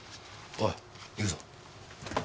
おい行くぞ。